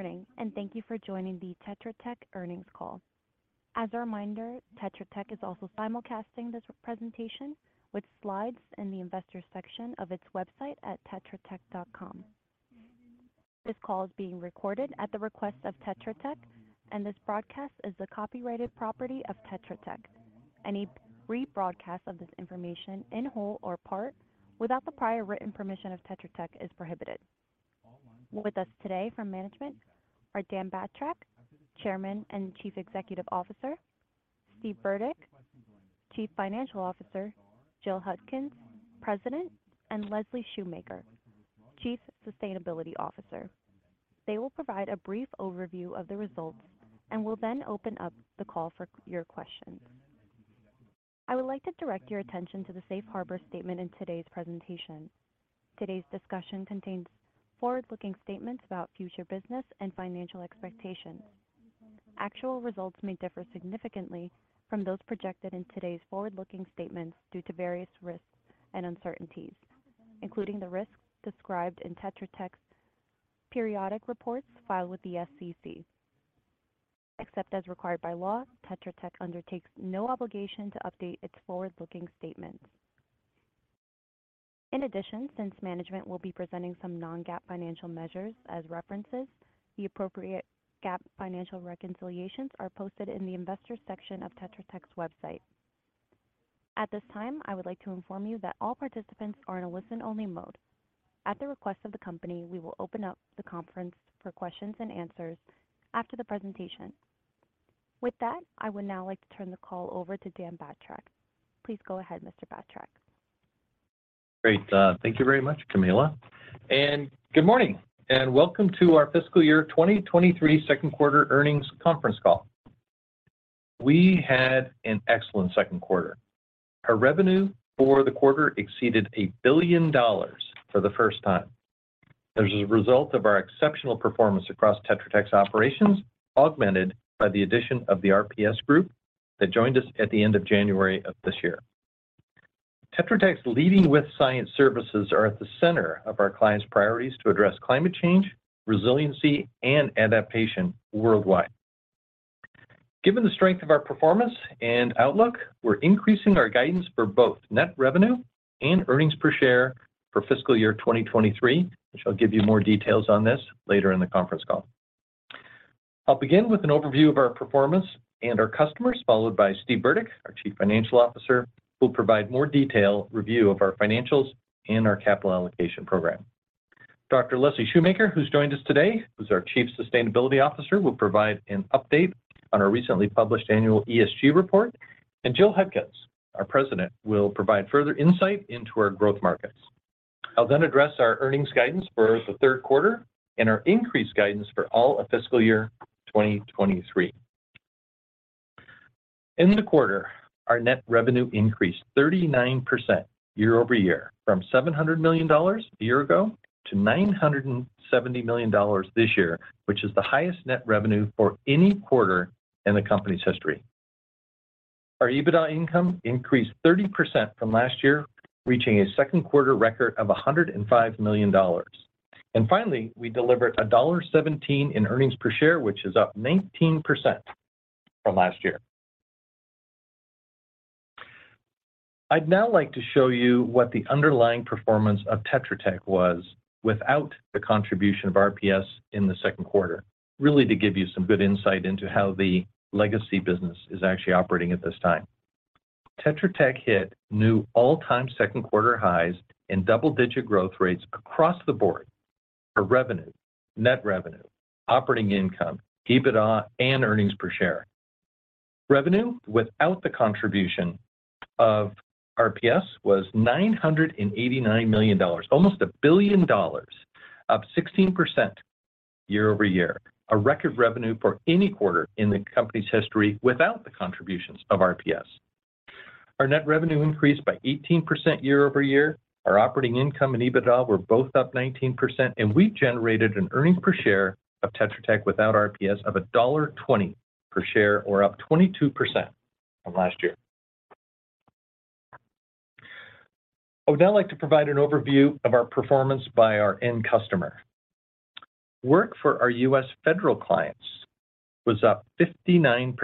Good morning, thank you for joining the Tetra Tech earnings call. As a reminder, Tetra Tech is also simulcasting this presentation with slides in the investors section of its website at tetratech.com. This call is being recorded at the request of Tetra Tech, and this broadcast is the copyrighted property of Tetra Tech. Any rebroadcast of this information in whole or part without the prior written permission of Tetra Tech is prohibited. With us today from management are Dan Batrack, Chairman and Chief Executive Officer, Steven Burdick, Chief Financial Officer, Jill Hudkins, President, and Leslie Shoemaker, Chief Sustainability Officer. They will provide a brief overview of the results and will then open up the call for your questions. I would like to direct your attention to the Safe Harbor statement in today's presentation. Today's discussion contains forward-looking statements about future business and financial expectations. Actual results may differ significantly from those projected in today's forward-looking statements due to various risks and uncertainties, including the risks described in Tetra Tech's periodic reports filed with the SEC. Except as required by law, Tetra Tech undertakes no obligation to update its forward-looking statements. In addition, since management will be presenting some non-GAAP financial measures as references, the appropriate GAAP financial reconciliations are posted in the investors section of Tetra Tech's website. At this time, I would like to inform you that all participants are in a listen-only mode. At the request of the company, we will open up the conference for questions and answers after the presentation. With that, I would now like to turn the call over to Dan Batrack. Please go ahead, Mr. Batrack. Great. Thank you very much, Camilla. Good morning, and welcome to our fiscal year 2023 second quarter earnings conference call. We had an excellent second quarter. Our revenue for the quarter exceeded $1 billion for the first time. This is a result of our exceptional performance across Tetra Tech's operations, augmented by the addition of the RPS Group that joined us at the end of January of this year. Tetra Tech's Leading with Science services are at the center of our clients' priorities to address climate change, resiliency, and adaptation worldwide. Given the strength of our performance and outlook, we're increasing our guidance for both net revenue and earnings per share for fiscal year 2023, which I'll give you more details on this later in the conference call. I'll begin with an overview of our performance and our customers, followed by Steven M. Burdick, our Chief Financial Officer, who will provide more detail review of our financials and our capital allocation program. Dr. Leslie L. Shoemaker, who's joined us today, who's our Chief Sustainability Officer, will provide an update on our recently published annual ESG report. Jill M. Hudkins, our President, will provide further insight into our growth markets. I'll then address our earnings guidance for the third quarter and our increased guidance for all of fiscal year 2023. In the quarter, our net revenue increased 39% year-over-year from $700 million a year ago to $970 million this year, which is the highest net revenue for any quarter in the company's history. Our EBITDA income increased 30% from last year, reaching a second-quarter record of $105 million. Finally, we delivered $1.17 in earnings per share, which is up 19% from last year. I'd now like to show you what the underlying performance of Tetra Tech was without the contribution of RPS in the second quarter, really to give you some good insight into how the legacy business is actually operating at this time. Tetra Tech hit new all-time second-quarter highs and double-digit growth rates across the board for revenue, net revenue, operating income, EBITDA, and earnings per share. Revenue without the contribution of RPS was $989 million, almost $1 billion, up 16% year-over-year, a record revenue for any quarter in the company's history without the contributions of RPS. Our net revenue increased by 18% year-over-year. Our operating income and EBITDA were both up 19%. We generated an earnings per share of Tetra Tech without RPS of $1.20 per share, or up 22% from last year. I would now like to provide an overview of our performance by our end customer. Work for our U.S. federal clients was up 59%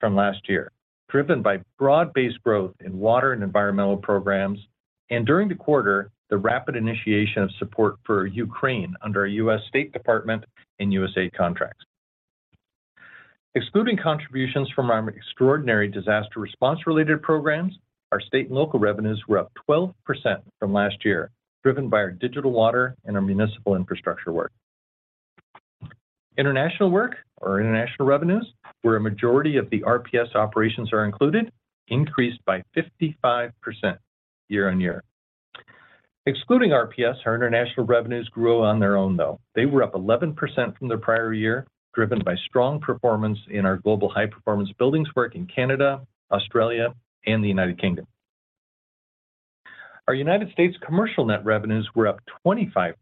from last year, driven by broad-based growth in water and environmental programs. During the quarter, the rapid initiation of support for Ukraine under our U.S. State Department and USA contracts. Excluding contributions from our extraordinary disaster response-related programs, our state and local revenues were up 12% from last year, driven by our digital water and our municipal infrastructure work. International work or international revenues, where a majority of the RPS operations are included, increased by 55% year-on-year. Excluding RPS, our international revenues grew on their own, though. They were up 11% from their prior year, driven by strong performance in our global high-performance buildings work in Canada, Australia, and the United Kingdom. Our United States commercial net revenues were up 25%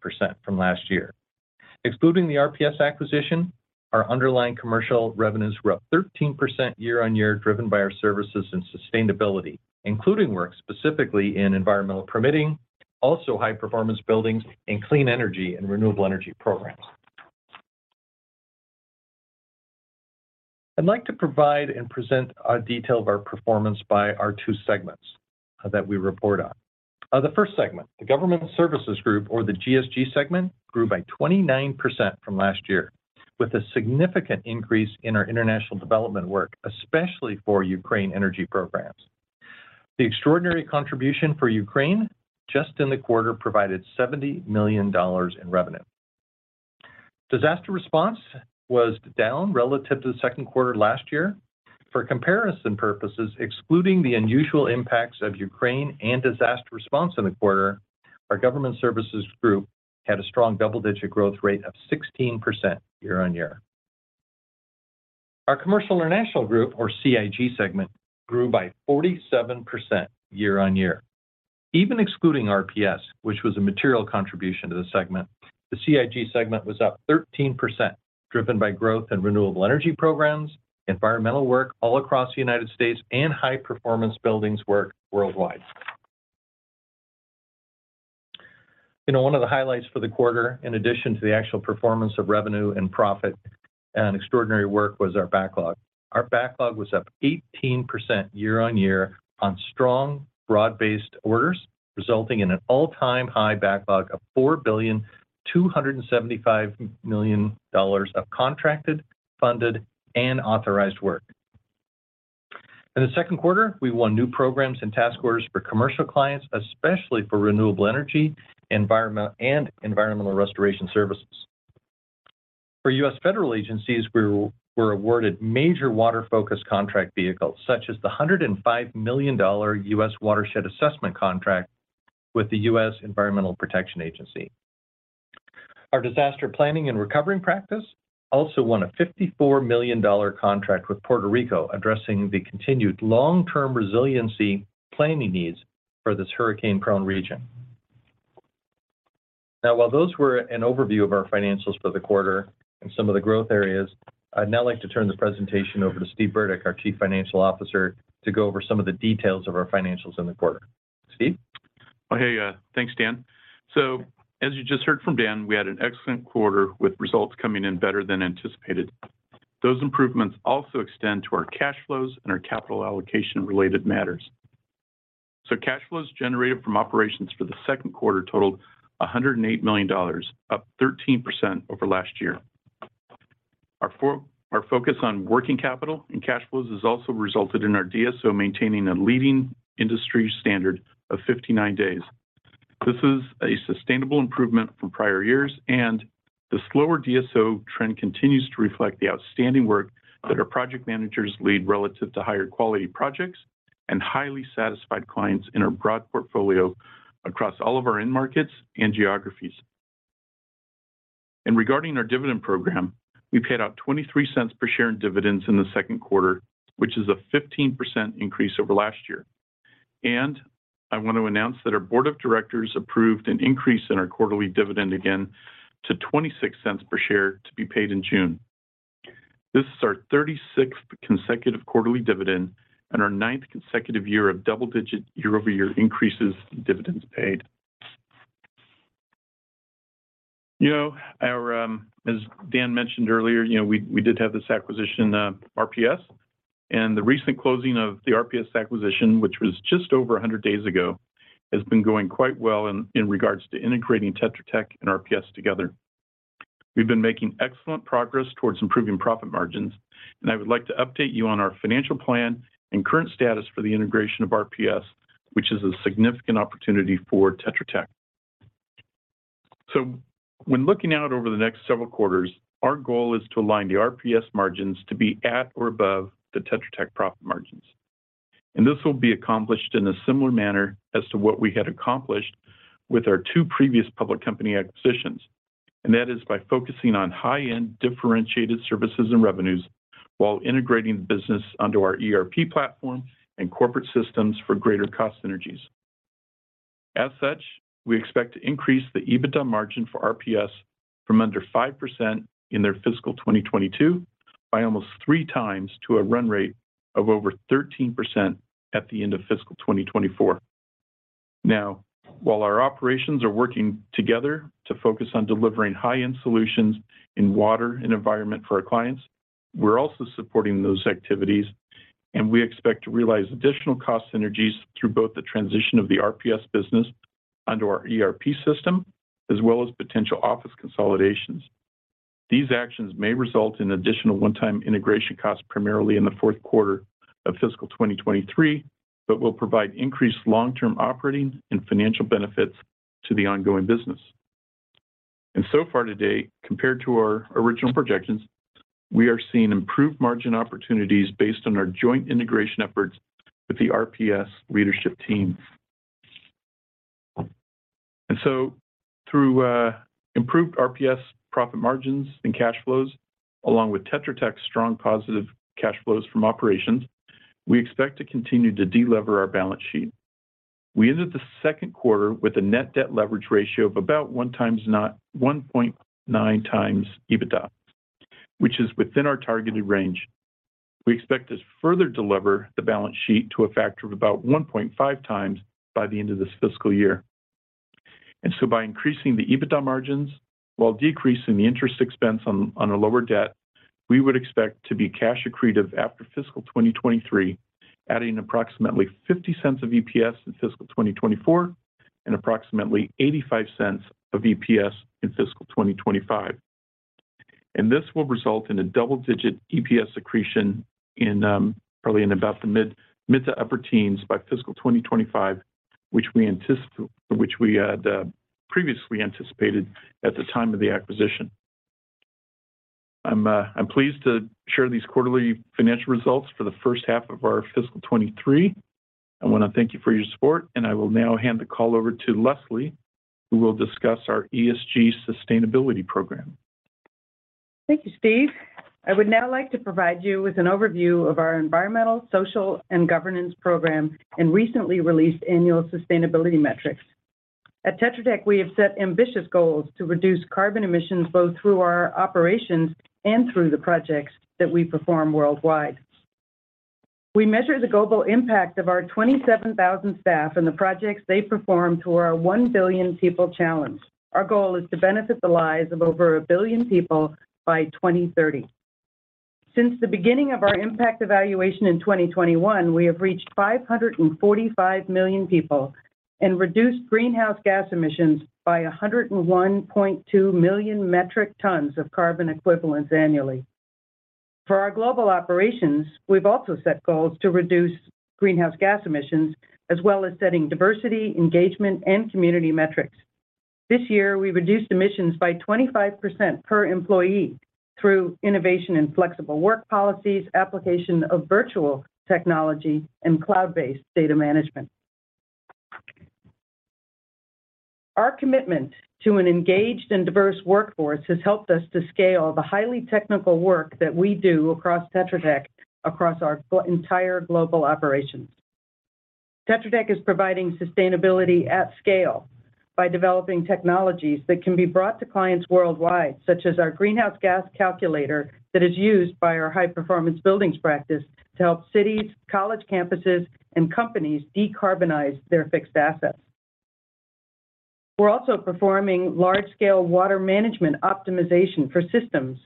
from last year. Excluding the RPS acquisition, our underlying commercial revenues were up 13% year-on-year, driven by our services and sustainability, including work specifically in environmental permitting, also high-performance buildings and clean energy and renewable energy programs. I'd like to provide and present a detail of our performance by our two segments that we report on. The first segment, the Government Services Group or the GSG segment, grew by 29% from last year, with a significant increase in our international development work, especially for Ukraine energy programs. The extraordinary contribution for Ukraine just in the quarter provided $70 million in revenue. Disaster response was down relative to the second quarter last year. For comparison purposes, excluding the unusual impacts of Ukraine and disaster response in the quarter, our Government Services Group had a strong double-digit growth rate of 16% year-on-year. Our Commercial International Group or CIG segment grew by 47% year-on-year. Even excluding RPS, which was a material contribution to the segment, the CIG segment was up 13%, driven by growth in renewable energy programs, environmental work all across the United States and high performance buildings work worldwide. You know, one of the highlights for the quarter, in addition to the actual performance of revenue and profit and extraordinary work, was our backlog. Our backlog was up 18% year-on-year on strong broad-based orders, resulting in an all-time high backlog of $4.275 billion of contracted, funded, and authorized work. In the second quarter, we won new programs and task orders for commercial clients, especially for renewable energy environment and environmental restoration services. For U.S. federal agencies, we were awarded major water-focused contract vehicles such as the $105 million U.S. Watershed Assessment Contract with the U.S. Environmental Protection Agency. Our disaster planning and recovery practice also won a $54 million contract with Puerto Rico, addressing the continued long-term resiliency planning needs for this hurricane-prone region. While those were an overview of our financials for the quarter and some of the growth areas, I'd now like to turn the presentation over to Steven Burdick, our chief financial officer, to go over some of the details of our financials in the quarter. Steven. Oh, hey. Thanks, Dan. As you just heard from Dan, we had an excellent quarter with results coming in better than anticipated. Those improvements also extend to our cash flows and our capital allocation related matters. Cash flows generated from operations for the second quarter totaled $108 million, up 13% over last year. Our focus on working capital and cash flows has also resulted in our DSO maintaining a leading industry standard of 59 days. This is a sustainable improvement from prior years, and the slower DSO trend continues to reflect the outstanding work that our project managers lead relative to higher quality projects and highly satisfied clients in our broad portfolio across all of our end markets and geographies. Regarding our dividend program, we paid out $0.23 per share in dividends in the second quarter, which is a 15% increase over last year. I want to announce that our board of directors approved an increase in our quarterly dividend again to $0.26 per share to be paid in June. This is our 36th consecutive quarterly dividend and our ninth consecutive year of double-digit year-over-year increases in dividends paid. You know, our, as Dan mentioned earlier, you know, we did have this acquisition, RPS, and the recent closing of the RPS acquisition, which was just over 100 days ago, has been going quite well in regards to integrating Tetra Tech and RPS together. We've been making excellent progress towards improving profit margins, and I would like to update you on our financial plan and current status for the integration of RPS, which is a significant opportunity for Tetra Tech. When looking out over the next several quarters, our goal is to align the RPS margins to be at or above the Tetra Tech profit margins. This will be accomplished in a similar manner as to what we had accomplished with our two previous public company acquisitions. That is by focusing on high-end differentiated services and revenues while integrating the business onto our ERP platform and corporate systems for greater cost synergies. As such, we expect to increase the EBITDA margin for RPS from under 5% in their fiscal 2022 by almost 3 times to a run rate of over 13% at the end of fiscal 2024. Now, while our operations are working together to focus on delivering high-end solutions in water and environment for our clients, we're also supporting those activities, and we expect to realize additional cost synergies through both the transition of the RPS business onto our ERP system, as well as potential office consolidations. These actions may result in additional one-time integration costs, primarily in the fourth quarter of fiscal 2023, but will provide increased long-term operating and financial benefits to the ongoing business. So far to date, compared to our original projections, we are seeing improved margin opportunities based on our joint integration efforts with the RPS leadership team. So through improved RPS profit margins and cash flows, along with Tetra Tech's strong positive cash flows from operations, we expect to continue to delever our balance sheet. We ended the second quarter with a net debt leverage ratio of about 1.9 times EBITDA. Which is within our targeted range. We expect to further deliver the balance sheet to a factor of about 1.5 times by the end of this fiscal year. By increasing the EBITDA margins while decreasing the interest expense on a lower debt, we would expect to be cash accretive after fiscal 2023, adding approximately $0.50 of EPS in fiscal 2024 and approximately $0.85 of EPS in fiscal 2025. This will result in a double-digit EPS accretion in probably in about the mid to upper teens by fiscal 2025, which we had previously anticipated at the time of the acquisition. I'm pleased to share these quarterly financial results for the first half of our fiscal 23. I wanna thank you for your support. I will now hand the call over to Leslie, who will discuss our ESG sustainability program. Thank you, Steven. I would now like to provide you with an overview of our environmental, social, and governance program and recently released annual sustainability metrics. At Tetra Tech, we have set ambitious goals to reduce carbon emissions, both through our operations and through the projects that we perform worldwide. We measure the global impact of our 27,000 staff and the projects they perform through our One Billion People Challenge. Our goal is to benefit the lives of over 1 billion people by 2030. Since the beginning of our impact evaluation in 2021, we have reached 545 million people and reduced greenhouse gas emissions by 101.2 million metric tons of carbon equivalents annually. For our global operations, we've also set goals to reduce greenhouse gas emissions, as well as setting diversity, engagement, and community metrics. This year, we reduced emissions by 25% per employee through innovation and flexible work policies, application of virtual technology, and cloud-based data management. Our commitment to an engaged and diverse workforce has helped us to scale the highly technical work that we do across Tetra Tech across our entire global operations. Tetra Tech is providing sustainability at scale by developing technologies that can be brought to clients worldwide, such as our greenhouse gas calculator that is used by our high-performance buildings practice to help cities, college campuses, and companies decarbonize their fixed assets. We're also performing large-scale water management optimization for systems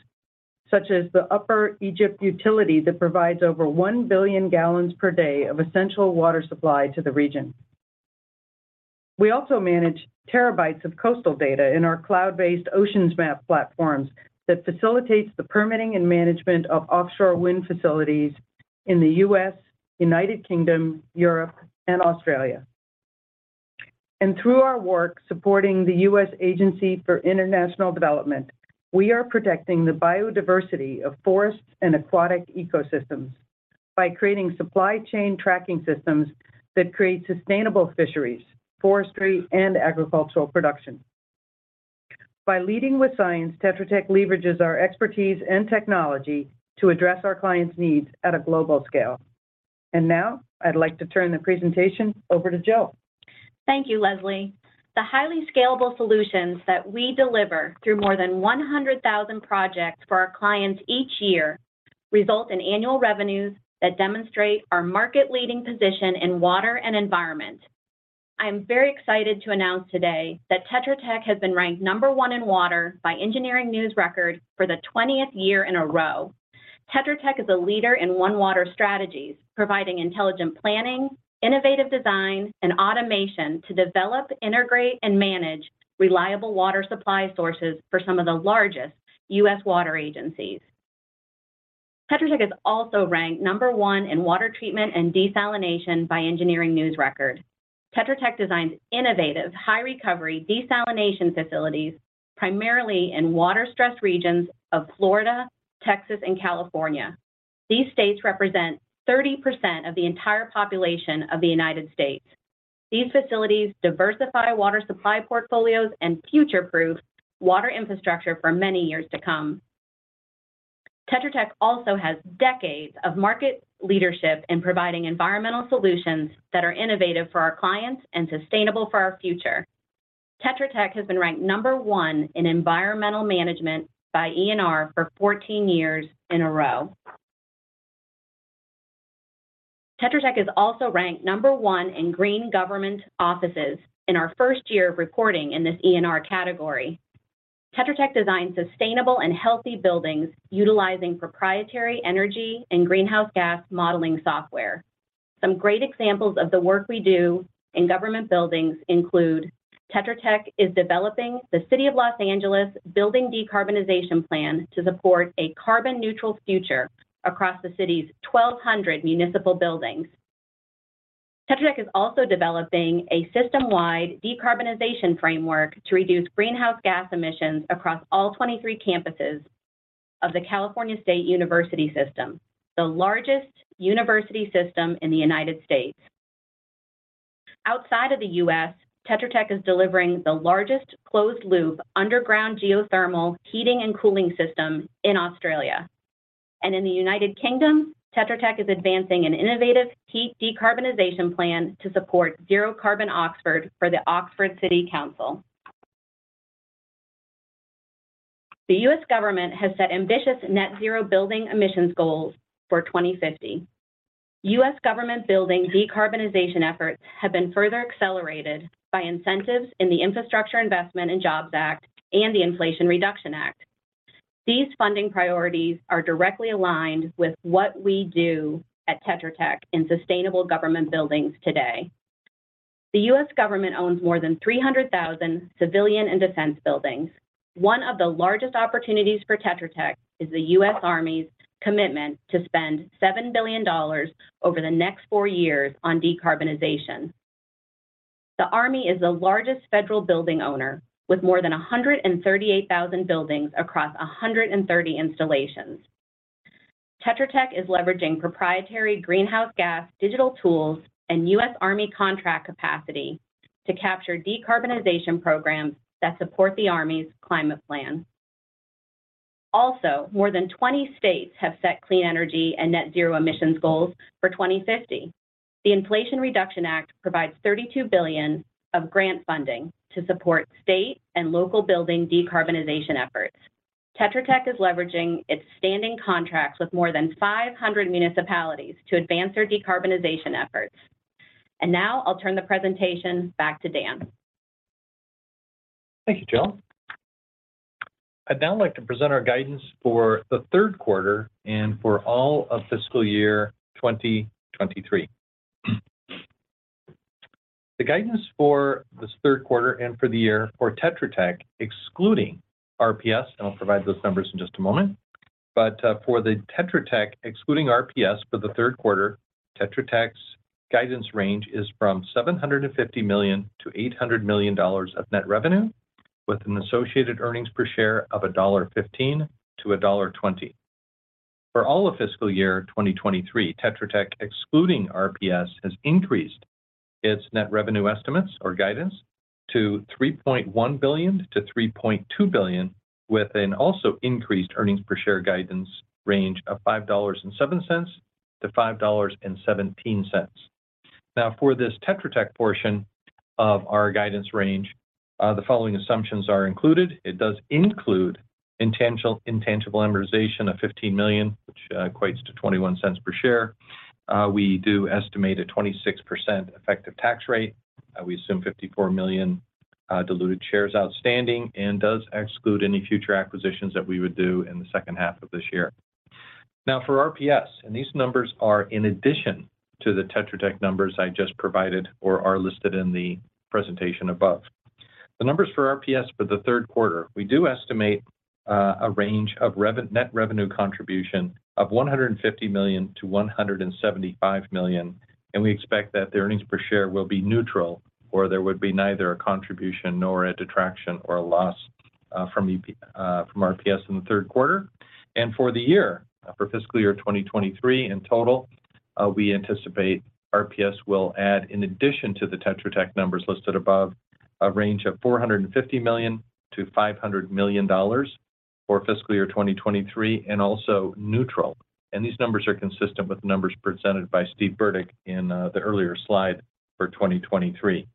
such as the Upper Egypt utility that provides over 1 billion gal per day of essential water supply to the region. We also manage terabytes of coastal data in our cloud-based OceansMap platforms that facilitates the permitting and management of offshore wind facilities in the U.S., United Kingdom, Europe, and Australia. Through our work supporting the U.S. Agency for International Development, we are protecting the biodiversity of forests and aquatic ecosystems by creating supply chain tracking systems that create sustainable fisheries, forestry, and agricultural production. By Leading with Science, Tetra Tech leverages our expertise and technology to address our clients' needs at a global scale. Now I'd like to turn the presentation over to Jill. Thank you, Leslie. The highly scalable solutions that we deliver through more than 100,000 projects for our clients each year result in annual revenues that demonstrate our market-leading position in water and environment. I am very excited to announce today that Tetra Tech has been ranked number one in water by Engineering News-Record for the 20th year in a row. Tetra Tech is a leader in One Water strategies, providing intelligent planning, innovative design, and automation to develop, integrate, and manage reliable water supply sources for some of the largest U.S. water agencies. Tetra Tech is also ranked number one in water treatment and desalination by Engineering News-Record. Tetra Tech designs innovative, high-recovery desalination facilities primarily in water-stressed regions of Florida, Texas, and California. These states represent 30% of the entire population of the United States. These facilities diversify water supply portfolios and future-proof water infrastructure for many years to come. Tetra Tech also has decades of market leadership in providing environmental solutions that are innovative for our clients and sustainable for our future. Tetra Tech has been ranked number one in environmental management by ENR for 14 years in a row. Tetra Tech is also ranked number one in green government offices in our first year of reporting in this ENR category. Tetra Tech designs sustainable and healthy buildings utilizing proprietary energy and greenhouse gas modeling software. Some great examples of the work we do in government buildings include Tetra Tech is developing the City of Los Angeles' building decarbonization plan to support a carbon-neutral future across the city's 1,200 municipal buildings. Tetra Tech is also developing a system-wide decarbonization framework to reduce greenhouse gas emissions across all 23 campuses of the California State University system, the largest university system in the United States. Outside of the U.S., Tetra Tech is delivering the largest closed-loop underground geothermal heating and cooling system in Australia. In the United Kingdom, Tetra Tech is advancing an innovative heat decarbonization plan to support zero-carbon Oxford for the Oxford City Council. The U.S. government has set ambitious net zero building emissions goals for 2050. U.S. government building decarbonization efforts have been further accelerated by incentives in the Infrastructure Investment and Jobs Act and the Inflation Reduction Act. These funding priorities are directly aligned with what we do at Tetra Tech in sustainable government buildings today. The U.S. government owns more than 300,000 civilian and defense buildings. One of the largest opportunities for Tetra Tech is the U.S. Army's commitment to spend $7 billion over the next four-years on decarbonization. The Army is the largest federal building owner, with more than 138,000 buildings across 130 installations. Tetra Tech is leveraging proprietary greenhouse gas digital tools and U.S. Army contract capacity to capture decarbonization programs that support the Army's climate plan. Also, more than 20 states have set clean energy and net zero emissions goals for 2050. The Inflation Reduction Act provides $32 billion of grant funding to support state and local building decarbonization efforts. Tetra Tech is leveraging its standing contracts with more than 500 municipalities to advance their decarbonization efforts. Now I'll turn the presentation back to Dan. Thank you, Jill. I'd now like to present our guidance for the third quarter and for all of fiscal year 2023. The guidance for this third quarter and for the year for Tetra Tech, excluding RPS, and I'll provide those numbers in just a moment. For the Tetra Tech, excluding RPS for the third quarter, Tetra Tech's guidance range is from $750 million-$800 million of net revenue with an associated earnings per share of $1.15-$1.20. For all of fiscal year 2023, Tetra Tech, excluding RPS, has increased its net revenue estimates or guidance to $3.1 billion-$3.2 billion, with an also increased earnings per share guidance range of $5.07-$5.17. Now for this Tetra Tech portion of our guidance range, the following assumptions are included. It does include intangible amortization of $15 million, which equates to $0.21 per share. We do estimate a 26% effective tax rate. We assume 54 million diluted shares outstanding and does exclude any future acquisitions that we would do in the second half of this year. Now for RPS, and these numbers are in addition to the Tetra Tech numbers I just provided or are listed in the presentation above. The numbers for RPS for the third quarter, we do estimate a range of net revenue contribution of $150 million-$175 million, and we expect that the earnings per share will be neutral, or there would be neither a contribution nor a detraction or a loss from RPS in the third quarter. For the year, for fiscal year 2023 in total, we anticipate RPS will add, in addition to the Tetra Tech numbers listed above, a range of $450 million-$500 million for fiscal year 2023 and also neutral. These numbers are consistent with the numbers presented by Steven Burdick in the earlier slide for 2023.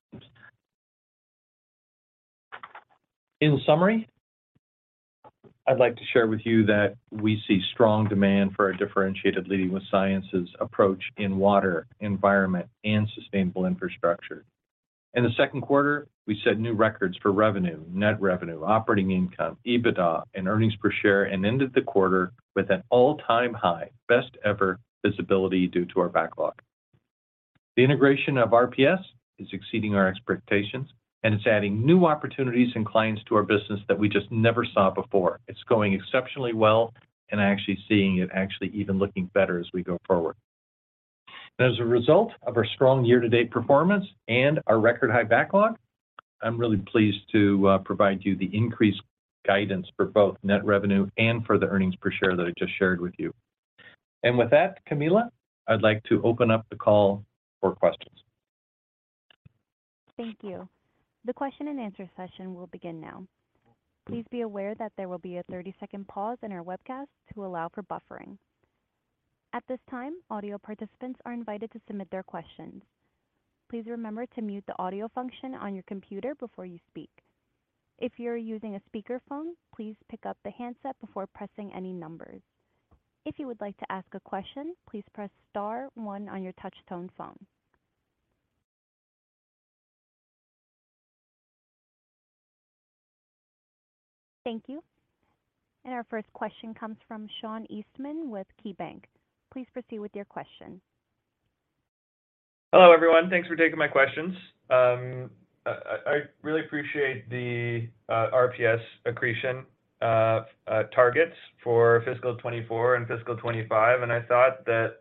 In summary, I'd like to share with you that we see strong demand for our differentiated Leading with Science approach in water, environment, and sustainable infrastructure. In the second quarter, we set new records for revenue, net revenue, operating income, EBITDA, and earnings per share, ended the quarter with an all-time high, best ever visibility due to our backlog. The integration of RPS is exceeding our expectations, and it's adding new opportunities and clients to our business that we just never saw before. It's going exceptionally well and actually seeing it even looking better as we go forward. As a result of our strong year-to-date performance and our record high backlog, I'm really pleased to provide you the increased guidance for both net revenue and for the earnings per share that I just shared with you. With that, Camilla, I'd like to open up the call for questions. Thank you. The question and answer session will begin now. Please be aware that there will be a 30-second pause in our webcast to allow for buffering. At this time, audio participants are invited to submit their questions. Please remember to mute the audio function on your computer before you speak. If you're using a speakerphone, please pick up the handset before pressing any numbers. If you would like to ask a question, please press star one on your touch-tone phone. Thank you. Our first question comes from Sean Eastman with KeyBanc. Please proceed with your question. Hello, everyone. Thanks for taking my questions. I really appreciate the RPS accretion targets for fiscal 2024 and fiscal 2025. I thought that,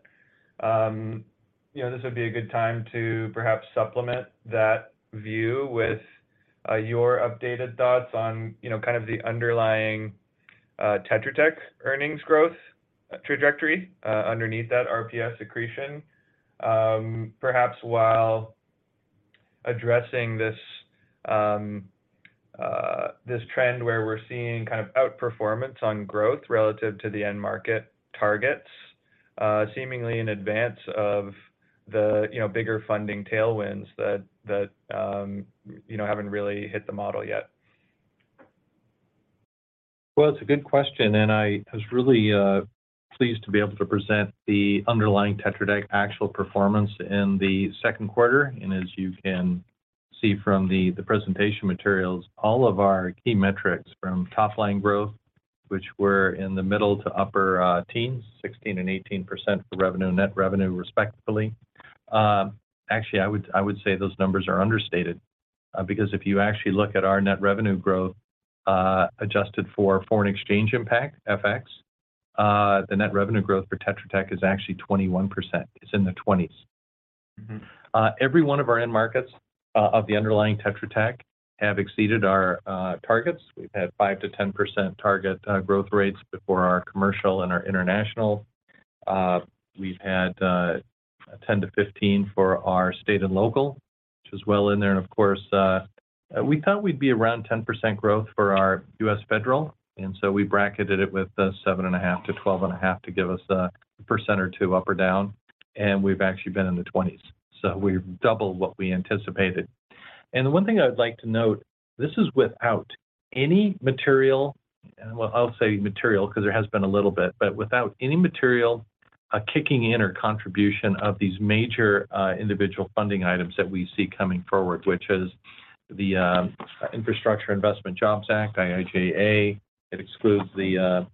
you know, this would be a good time to perhaps supplement that view with your updated thoughts on, you know, kind of the underlying Tetra Tech earnings growth trajectory underneath that RPS accretion, perhaps while addressing this trend where we're seeing kind of outperformance on growth relative to the end market targets, seemingly in advance of the, you know, bigger funding tailwinds that, you know, haven't really hit the model yet. It's a good question. I was really pleased to be able to present the underlying Tetra Tech actual performance in the second quarter. As you can see from the presentation materials, all of our key metrics from top-line growth, which were in the middle to upper teens, 16% and 18% for revenue, net revenue, respectively. Actually, I would say those numbers are understated because if you actually look at our net revenue growth adjusted for foreign exchange impact, FX, the net revenue growth for Tetra Tech is actually 21%. It's in the twenties. Every one of our end markets of the underlying Tetra Tech have exceeded our targets. We've had 5%-10% target growth rates before our commercial and our international. We've had 10%-15% for our state and local, which is well in there. Of course, we thought we'd be around 10% growth for our U.S. federal, so we bracketed it with a 7.5%-12.5% to give us a % or 2% up or down. We've actually been in the 20s. We've doubled what we anticipated. The one thing I'd like to note, this is without any material, well, I'll say material because there has been a little bit, but without any material kicking in or contribution of these major individual funding items that we see coming forward, which is the Infrastructure Investment and Jobs Act, IIJA. It excludes the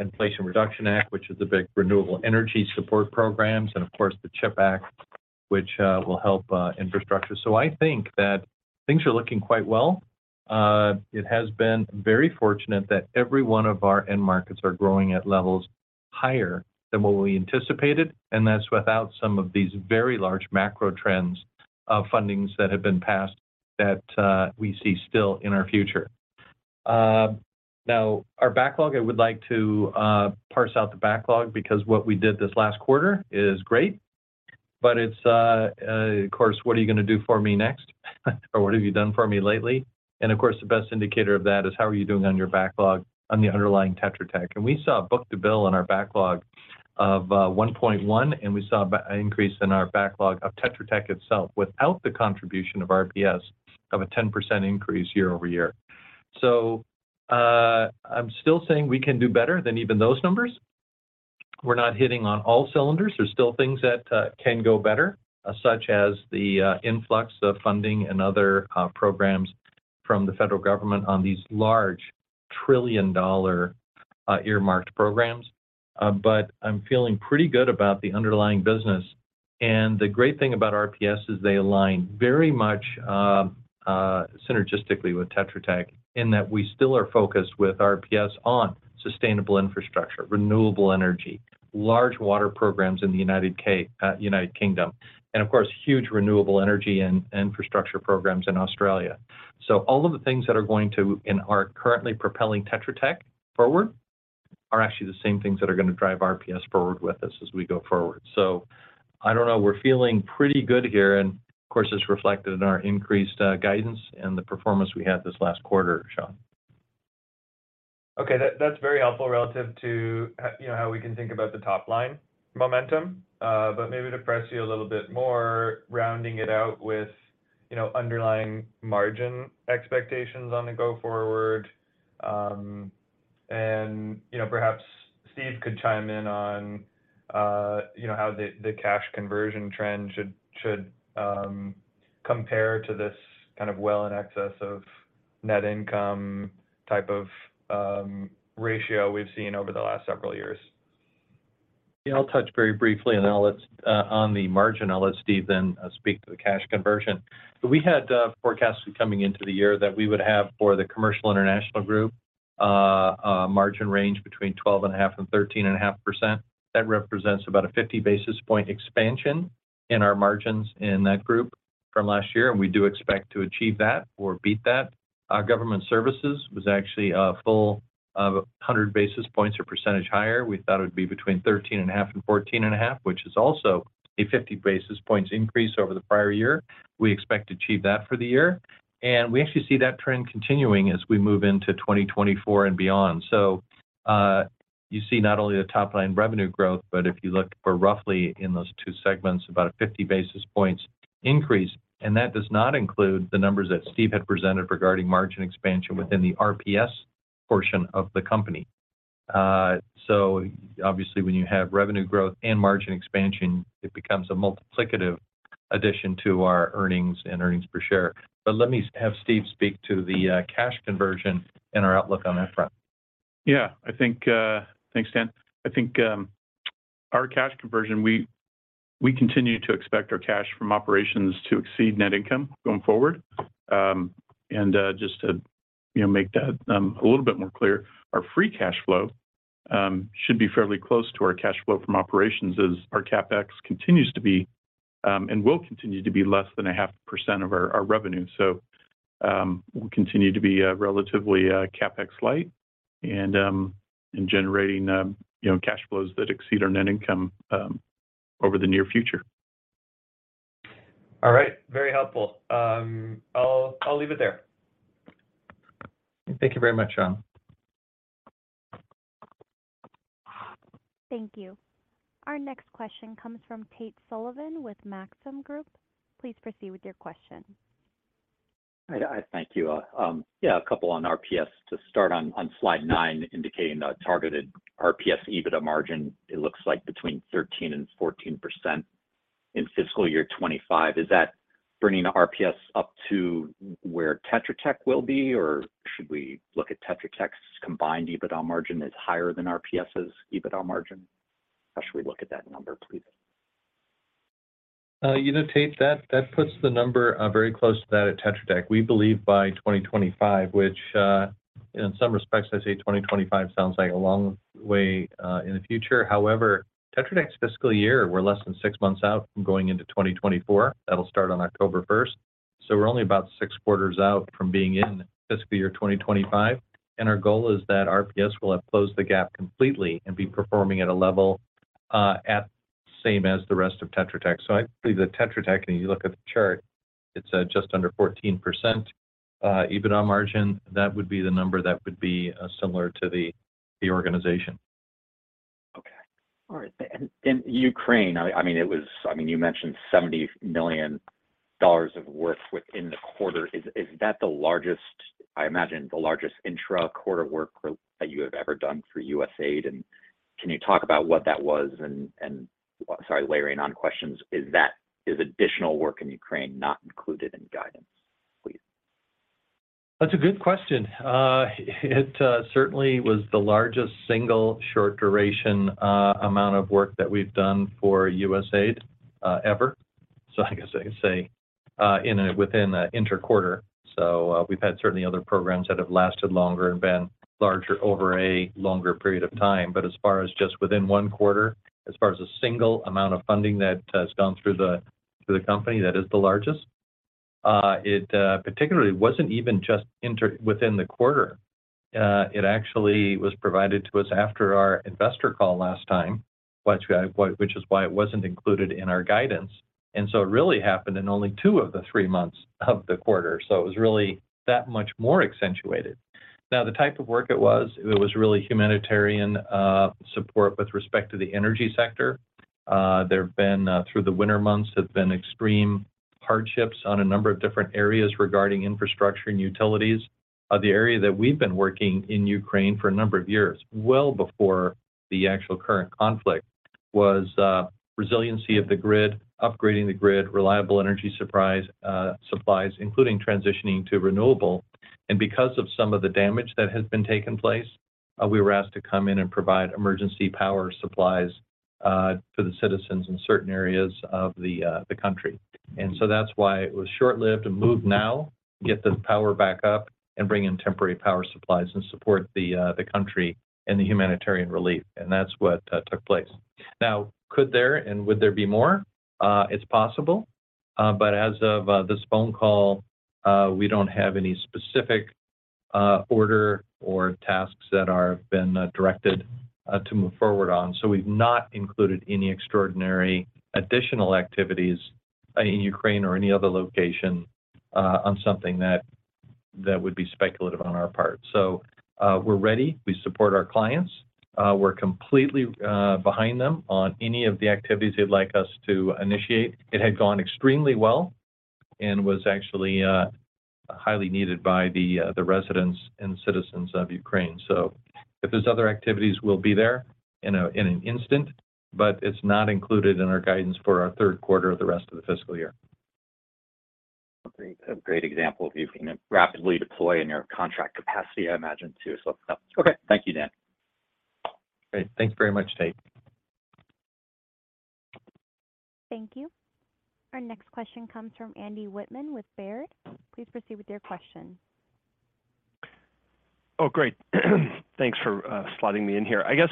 Inflation Reduction Act, which is the big renewable energy support programs, and of course, the CHIP Act, which will help infrastructure. I think that things are looking quite well. It has been very fortunate that every one of our end markets are growing at levels higher than what we anticipated, and that's without some of these very large macro trends of fundings that have been passed that we see still in our future. Now our backlog, I would like to parse out the backlog because what we did this last quarter is great, but it's, of course, what are you gonna do for me next? What have you done for me lately? Of course, the best indicator of that is how are you doing on your backlog on the underlying Tetra Tech. We saw book-to-bill on our backlog of 1.1, and we saw an increase in our backlog of Tetra Tech itself without the contribution of RPS of a 10% increase year-over-year. I'm still saying we can do better than even those numbers. We're not hitting on all cylinders. There's still things that can go better, such as the influx of funding and other programs from the federal government on these large trillion-dollar earmarked programs. I'm feeling pretty good about the underlying business. The great thing about RPS is they align very much synergistically with Tetra Tech in that we still are focused with RPS on sustainable infrastructure, renewable energy, large water programs in the United Kingdom, and of course, huge renewable energy and infrastructure programs in Australia. All of the things that are going to and are currently propelling Tetra Tech forward are actually the same things that are gonna drive RPS forward with us as we go forward. I don't know. We're feeling pretty good here, and of course, it's reflected in our increased guidance and the performance we had this last quarter, Sean. Okay. That's very helpful relative to you know, how we can think about the top-line momentum. Maybe to press you a little bit more, rounding it out with, you know, underlying margin expectations on the go forward, and, you know, perhaps Steven could chime in on, you know, how the cash conversion trend should compare to this kind of well in excess of net income type of ratio we've seen over the last several years. Yeah. I'll touch very briefly, and I'll let Steven then speak to the cash conversion. We had forecasts coming into the year that we would have for the Commercial/International Group, a margin range between 12.5% and 13.5%. That represents about a 50 basis point expansion in our margins in that group from last year, and we do expect to achieve that or beat that. Our Government Services Group was actually a full of a 100 basis points or percentage higher. We thought it would be between 13.5% and 14.5%, which is also a 50 basis points increase over the prior year. We expect to achieve that for the year. We actually see that trend continuing as we move into 2024 and beyond. You see not only the top-line revenue growth, but if you look for roughly in those two segments, about a 50 basis points increase. That does not include the numbers that Steven had presented regarding margin expansion within the RPS portion of the company. Obviously, when you have revenue growth and margin expansion, it becomes a multiplicative addition to our earnings and earnings per share. Let me have Steven speak to the cash conversion and our outlook on that front. I think. Thanks, Dan. I think, our cash conversion, we continue to expect our cash from operations to exceed net income going forward. Just to, you know, make that a little bit more clear, our free cash flow should be fairly close to our cash flow from operations as our CapEx continues to be and will continue to be less than a half % of our revenue. We'll continue to be relatively CapEx light and generating, you know, cash flows that exceed our net income over the near future. All right. Very helpful. I'll leave it there. Thank you very much, Sean. Thank you. Our next question comes from Tate Sullivan with Maxim Group. Please proceed with your question. I thank you. Yeah, a couple on RPS. To start on slide nine, indicating a targeted RPS EBITDA margin, it looks like between 13% and 14% in fiscal year 2025. Is that bringing RPS up to where Tetra Tech will be, or should we look at Tetra Tech's combined EBITDA margin as higher than RPS's EBITDA margin? How should we look at that number, please? You know, Tate, that puts the number very close to that at Tetra Tech. We believe by 2025, which in some respects I say 2025 sounds like a long way in the future. However, Tetra Tech's fiscal year, we're less than six months out from going into 2024. That'll start on October first. We're only about six quarters out from being in fiscal year 2025, and our goal is that RPS will have closed the gap completely and be performing at a level at same as the rest of Tetra Tech. I believe that Tetra Tech, and you look at the chart, it's just under 14% EBITDA margin. That would be the number that would be similar to the organization. Okay. All right. In Ukraine, I mean, you mentioned $70 million of work within the quarter. Is that the largest, I imagine, the largest intra-quarter work that you have ever done for USAID? Can you talk about what that was and. Sorry, layering on questions. Is additional work in Ukraine not included in guidance, please? That's a good question. It certainly was the largest single short duration amount of work that we've done for USAID ever. I guess I could say in a, within a inter quarter. We've had certainly other programs that have lasted longer and been larger over a longer period of time. As far as just within one quarter, as far as the single amount of funding that has gone through the company, that is the largest. It particularly wasn't even just within the quarter. It actually was provided to us after our investor call last time, which is why it wasn't included in our guidance. It really happened in only two of the three months of the quarter. It was really that much more accentuated. The type of work it was, it was really humanitarian support with respect to the energy sector. There have been through the winter months, have been extreme hardships on a number of different areas regarding infrastructure and utilities. The area that we've been working in Ukraine for a number of years, well before the actual current conflict, was resiliency of the grid, upgrading the grid, reliable energy supplies, including transitioning to renewable. Because of some of the damage that has been taking place, we were asked to come in and provide emergency power supplies to the citizens in certain areas of the country. That's why it was short-lived. A move now, get the power back up and bring in temporary power supplies and support the country and the humanitarian relief. That's what took place. Could there and would there be more? It's possible. But as of this phone call, we don't have any specific order or tasks that have been directed to move forward on. We've not included any extraordinary additional activities in Ukraine or any other location on something that would be speculative on our part. We're ready. We support our clients. We're completely behind them on any of the activities they'd like us to initiate. It had gone extremely well and was actually highly needed by the residents and citizens of Ukraine. If there's other activities, we'll be there in an instant, but it's not included in our guidance for our third quarter or the rest of the fiscal year. Great. A great example of you can rapidly deploy in your contract capacity, I imagine too, so. Okay. Thank you, Dan. Great. Thanks very much, Tate. Thank you. Our next question comes from Andy Wittmann with Baird. Please proceed with your question. Oh, great. Thanks for slotting me in here. I guess,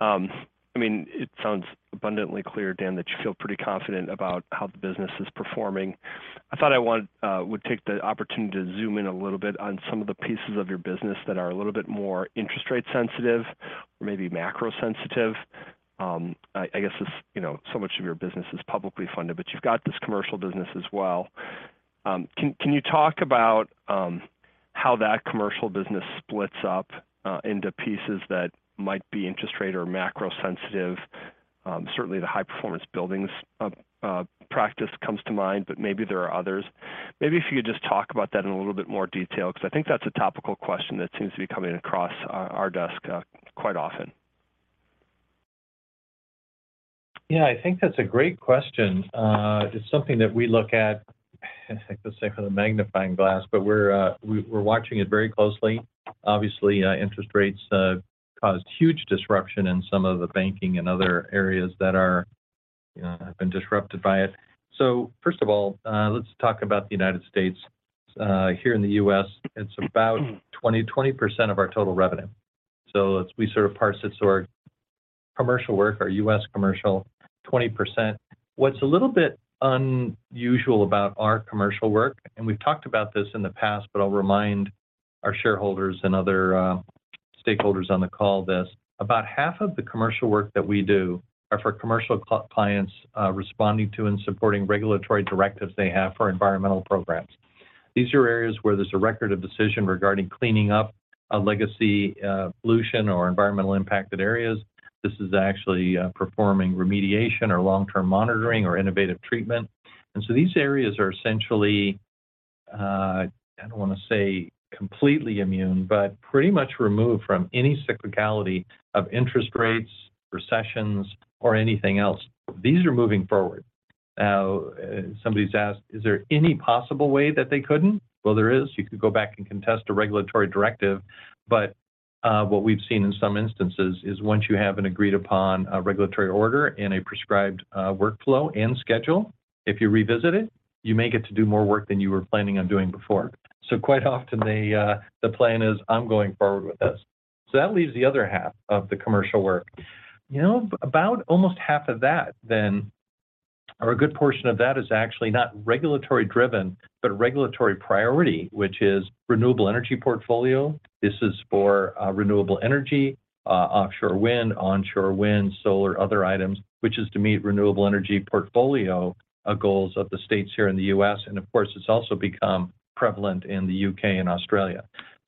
I mean, it sounds abundantly clear, Dan, that you feel pretty confident about how the business is performing. I thought would take the opportunity to zoom in a little bit on some of the pieces of your business that are a little bit more interest rate sensitive or maybe macro sensitive. I guess it's, you know, so much of your business is publicly funded, but you've got this commercial business as well. Can you talk about how that commercial business splits up into pieces that might be interest rate or macro sensitive? Certainly the high performance buildings practice comes to mind, but maybe there are others. Maybe if you could just talk about that in a little bit more detail, because I think that's a topical question that seems to be coming across our desk, quite often. Yeah, I think that's a great question. It's something that we look at, I think let's say with a magnifying glass, but we're watching it very closely. Obviously, interest rates have caused huge disruption in some of the banking and other areas that are, you know, have been disrupted by it. First of all, let's talk about the United States. Here in the U.S., it's about 20% of our total revenue. As we sort of parse it, our commercial work or U.S. commercial, 20%. What's a little bit unusual about our commercial work, and we've talked about this in the past, but I'll remind our shareholders and other stakeholders on the call this. About half of the commercial work that we do are for commercial clients, responding to and supporting regulatory directives they have for environmental programs. These are areas where there's a record of decision regarding cleaning up a legacy pollution or environmental impacted areas. This is actually performing remediation or long-term monitoring or innovative treatment. These areas are essentially, I don't want to say completely immune, but pretty much removed from any cyclicality of interest rates, recessions, or anything else. These are moving forward. Now, somebody's asked, is there any possible way that they couldn't? Well, there is. You could go back and contest a regulatory directive. What we've seen in some instances is once you have an agreed upon regulatory order and a prescribed workflow and schedule, if you revisit it, you may get to do more work than you were planning on doing before. Quite often the plan is, I'm going forward with this. That leaves the other half of the commercial work. You know, about almost half of that then, or a good portion of that is actually not regulatory-driven, but regulatory priority, which is renewable energy portfolio. This is for renewable energy, offshore wind, onshore wind, solar, other items, which is to meet renewable energy portfolio goals of the states here in the U.S. Of course, it's also become prevalent in the U.K. and Australia.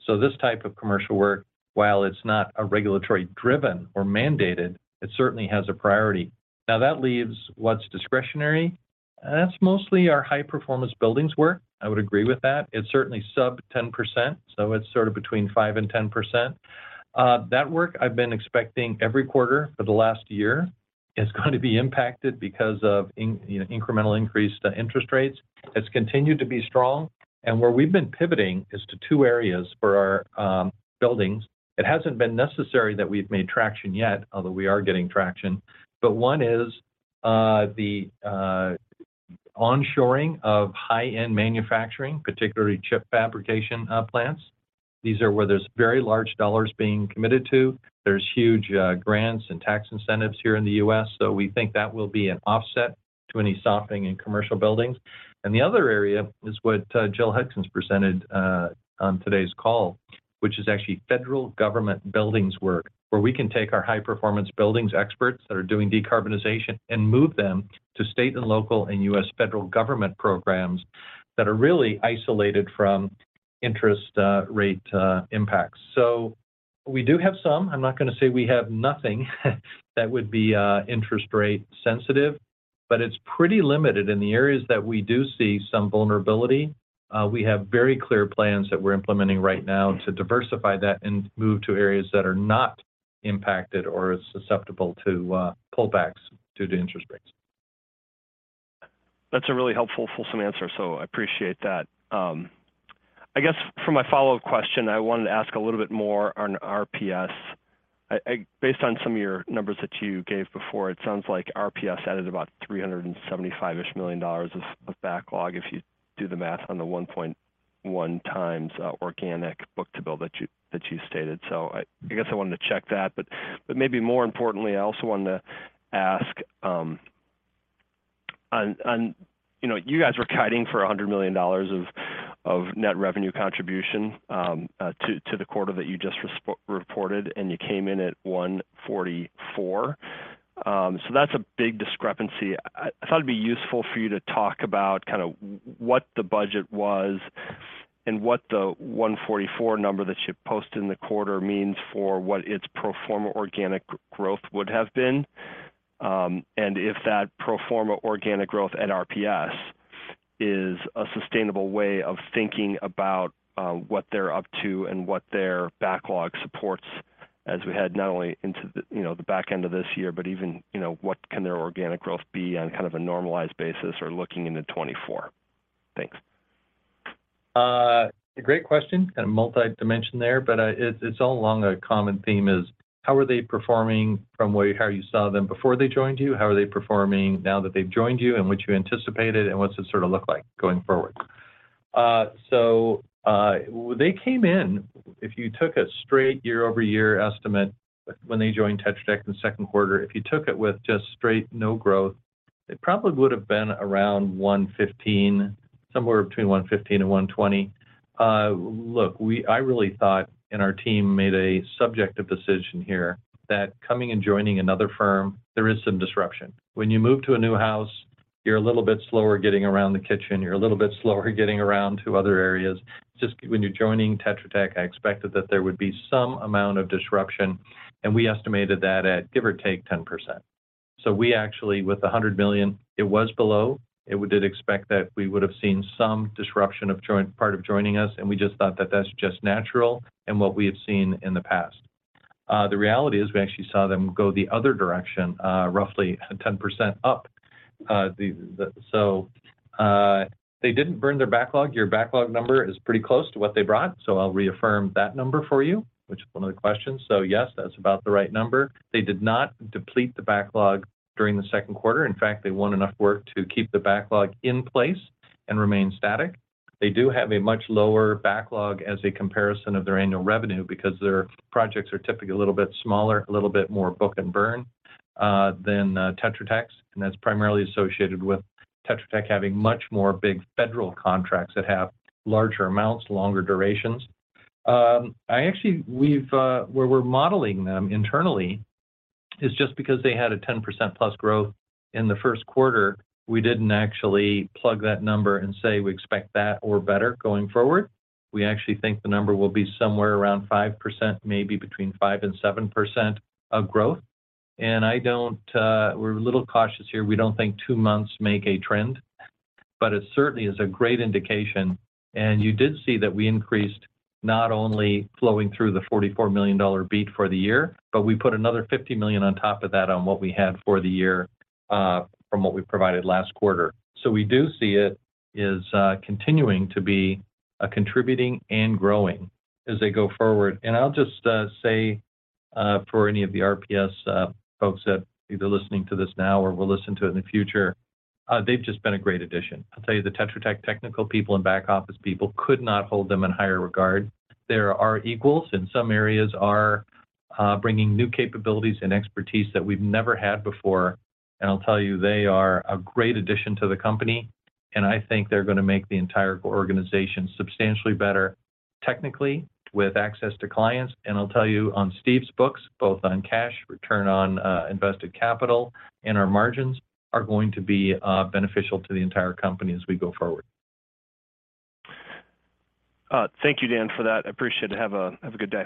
This type of commercial work, while it's not a regulatory-driven or mandated, it certainly has a priority. That leaves what's discretionary. That's mostly our high-performance buildings work. I would agree with that. It's certainly sub 10%, so it's sort of between 5% and 10%. That work I've been expecting every quarter for the last year is going to be impacted because of incremental increase to interest rates. It's continued to be strong. Where we've been pivoting is to two areas for our buildings. It hasn't been necessary that we've made traction yet, although we are getting traction. One is the onshoring of high-end manufacturing, particularly chip fabrication plants. These are where there's very large dollars being committed to. There's huge grants and tax incentives here in the U.S., we think that will be an offset to any softening in commercial buildings. The other area is what Jill Hudkins presented on today's call, which is actually federal government buildings work, where we can take our high-performance buildings experts that are doing decarbonization and move them to state and local and U.S. federal government programs that are really isolated from interest rate impacts. We do have some. I'm not gonna say we have nothing that would be interest rate sensitive, but it's pretty limited. In the areas that we do see some vulnerability, we have very clear plans that we're implementing right now to diversify that and move to areas that are not impacted or as susceptible to pullbacks due to interest rates. That's a really helpful, fulsome answer, so I appreciate that. I guess for my follow-up question, I wanted to ask a little bit more on RPS. Based on some of your numbers that you gave before, it sounds like RPS added about $375 million-ish of backlog if you do the math on the 1.1 times organic book-to-bill that you stated. I guess I wanted to check that. But maybe more importantly, I also wanted to ask on, you know, you guys were guiding for $100 million of net revenue contribution to the quarter that you just reported, and you came in at $144. That's a big discrepancy. I thought it'd be useful for you to talk about kinda what the budget was and what the 144 number that you posted in the quarter means for what its pro forma organic growth would have been. If that pro forma organic growth at RPS is a sustainable way of thinking about what they're up to and what their backlog supports as we head not only into the, you know, the back end of this year, but even, you know, what can their organic growth be on kind of a normalized basis or looking into 2024. Thanks. Great question. Kind of multi-dimension there, but it's all along a common theme is how are they performing from way how you saw them before they joined you? How are they performing now that they've joined you and what you anticipated, and what's it sort of look like going forward? They came in, if you took a straight year-over-year estimate when they joined Tetra Tech in the second quarter, if you took it with just straight no growth, it probably would have been around 115, somewhere between 115 and 120. Look, I really thought, and our team made a subjective decision here, that coming and joining another firm, there is some disruption. When you move to a new house, you're a little bit slower getting around the kitchen, you're a little bit slower getting around to other areas. Just when you're joining Tetra Tech, I expected that there would be some amount of disruption, and we estimated that at, give or take, 10%. We actually, with $100 million, it was below. We did expect that we would have seen some disruption of part of joining us, and we just thought that that's just natural and what we have seen in the past. The reality is we actually saw them go the other direction, roughly 10% up. They didn't burn their backlog. Your backlog number is pretty close to what they brought, I'll reaffirm that number for you, which is one of the questions. Yes, that's about the right number. They did not deplete the backlog during the second quarter. In fact, they won enough work to keep the backlog in place and remain static. They do have a much lower backlog as a comparison of their annual revenue because their projects are typically a little bit smaller, a little bit more book and burn, than Tetra Tech's, and that's primarily associated with Tetra Tech having much more big federal contracts that have larger amounts, longer durations. Where we're modeling them internally is just because they had a 10% plus growth in the first quarter. We didn't actually plug that number and say we expect that or better going forward. We actually think the number will be somewhere around 5%, maybe between 5% and 7% of growth. I don't, we're a little cautious here. We don't think two months make a trend, but it certainly is a great indication. You did see that we increased not only flowing through the $44 million beat for the year, but we put another $50 million on top of that on what we had for the year, from what we provided last quarter. We do see it as continuing to be contributing and growing as they go forward. I'll just say, for any of the RPS folks that either listening to this now or will listen to it in the future, they've just been a great addition. I'll tell you, the Tetra Tech technical people and back office people could not hold them in higher regard. There are equals in some areas, bringing new capabilities and expertise that we've never had before. I'll tell you, they are a great addition to the company, and I think they're gonna make the entire organization substantially better technically with access to clients. I'll tell you, on Steven Burdick's books, both on cash, return on invested capital, and our margins are going to be beneficial to the entire company as we go forward. Thank you, Dan, for that. I appreciate it. Have a good day.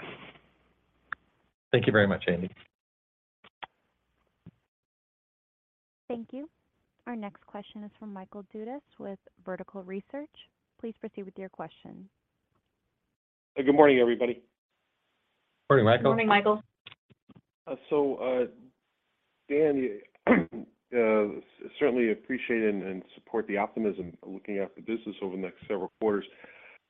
Thank you very much, Andy. Thank you. Our next question is from Michael Dudas with Vertical Research. Please proceed with your question. Good morning, everybody. Morning, Michael. Morning, Michael. Dan, certainly appreciate and support the optimism looking out for business over the next several quarters.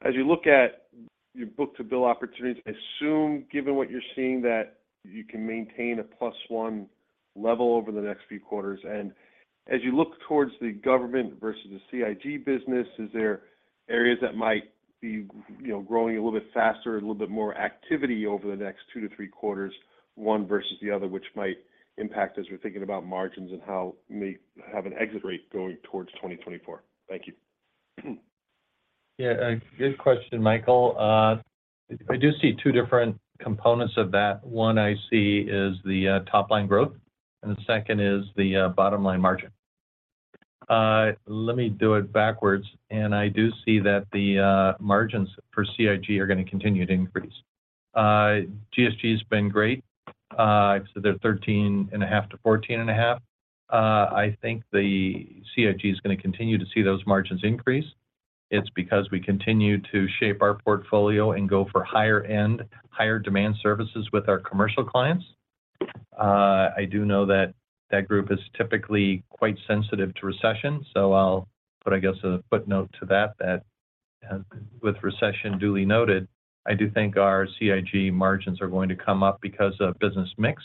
As you look at your book-to-bill opportunities, assume, given what you're seeing, that you can maintain a +1 level over the next few quarters. As you look towards the Government versus the CIG business, is there areas that might be, you know, growing a little bit faster, a little bit more activity over the next two to three quarters, one versus the other, which might impact as we're thinking about margins and how may have an exit rate going towards 2024? Thank you. Yeah. Good question, Michael. I do see two different components of that. One I see is the top-line growth, and the second is the bottom-line margin. Let me do it backwards. I do see that the margins for CIG are gonna continue to increase. GSG has been great. So they're 13.5%-14.5%. I think the CIG is gonna continue to see those margins increase. It's because we continue to shape our portfolio and go for higher end, higher demand services with our commercial clients. I do know that that group is typically quite sensitive to recession. I'll put, I guess, a footnote to that with recession duly noted, I do think our CIG margins are going to come up because of business mix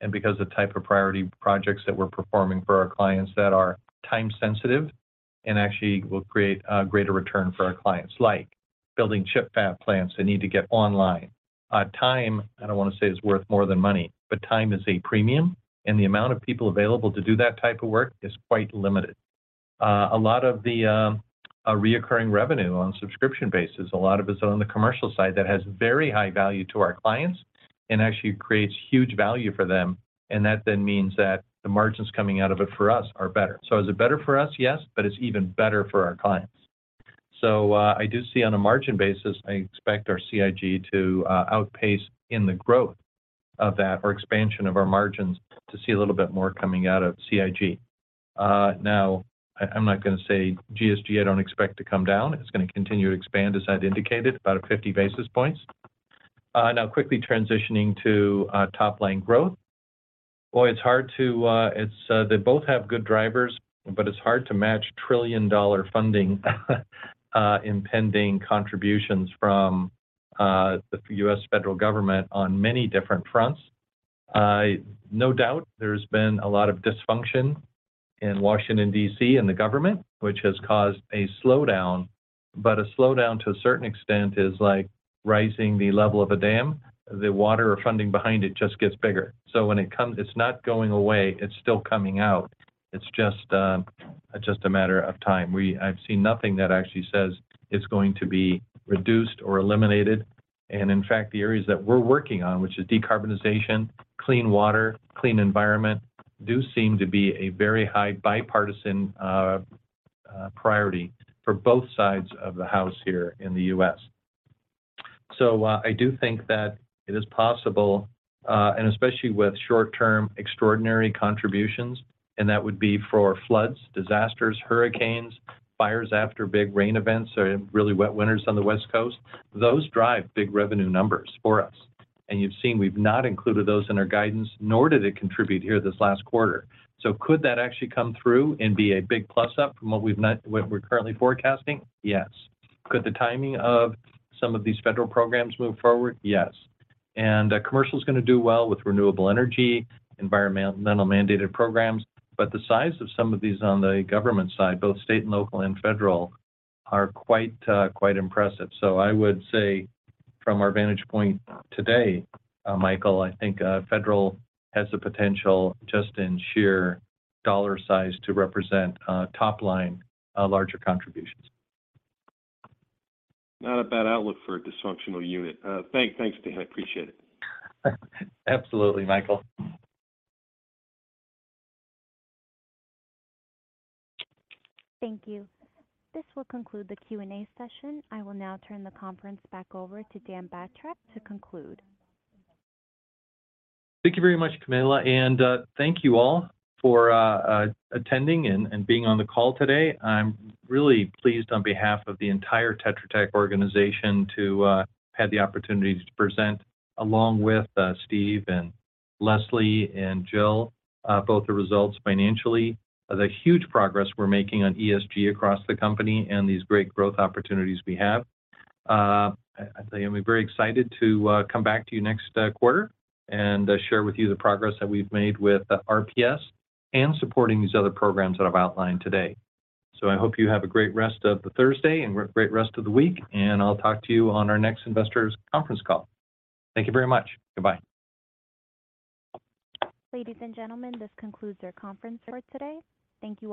and because the type of priority projects that we're performing for our clients that are time sensitive and actually will create a greater return for our clients, like building chip fab plants that need to get online. Time, I don't want to say, is worth more than money, but time is a premium, and the amount of people available to do that type of work is quite limited. A lot of the recurring revenue on subscription basis, a lot of it's on the commercial side that has very high value to our clients and actually creates huge value for them, and that then means that the margins coming out of it for us are better. Is it better for us? Yes, but it's even better for our clients. I do see on a margin basis, I expect our CIG to outpace in the growth of that or expansion of our margins to see a little bit more coming out of CIG. Now, I'm not gonna say GSG, I don't expect to come down. It's gonna continue to expand, as I'd indicated, about 50 basis points. Now quickly transitioning to top-line growth. Boy, it's hard to, it's, they both have good drivers, but it's hard to match trillion-dollar funding, impending contributions from the U.S. federal government on many different fronts. No doubt there's been a lot of dysfunction in Washington, D.C., and the government, which has caused a slowdown, but a slowdown to a certain extent is like rising the level of a dam. The water or funding behind it just gets bigger. It's not going away, it's still coming out. It's just a matter of time. I've seen nothing that actually says it's going to be reduced or eliminated. In fact, the areas that we're working on, which is decarbonization, clean water, clean environment, do seem to be a very high bipartisan priority for both sides of the house here in the U.S. I do think that it is possible, and especially with short-term extraordinary contributions, and that would be for floods, disasters, hurricanes, fires after big rain events or really wet winters on the West Coast. Those drive big revenue numbers for us. You've seen we've not included those in our guidance, nor did it contribute here this last quarter. Could that actually come through and be a big plus up from what we're currently forecasting? Yes. Could the timing of some of these federal programs move forward? Yes. Commercial is gonna do well with renewable energy, environmental mandated programs. The size of some of these on the government side, both state and local and federal, are quite impressive. I would say from our vantage point today, Michael, I think federal has the potential just in sheer dollar size to represent top line larger contributions. Not a bad outlook for a dysfunctional unit. Thanks, Dan. I appreciate it. Absolutely, Michael. Thank you. This will conclude the Q&A session. I will now turn the conference back over to Dan Batrack to conclude. Thank you very much, Camilla. Thank you all for attending and being on the call today. I'm really pleased on behalf of the entire Tetra Tech organization to have the opportunity to present, along with Steven and Leslie and Jill, both the results financially, the huge progress we're making on ESG across the company, and these great growth opportunities we have. I tell you, I'm very excited to come back to you next quarter and share with you the progress that we've made with RPS and supporting these other programs that I've outlined today. I hope you have a great rest of the Thursday and great rest of the week. I'll talk to you on our next investors conference call. Thank you very much. Goodbye. Ladies and gentlemen, this concludes our conference for today. Thank you all.